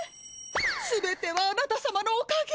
全てはあなた様のおかげ。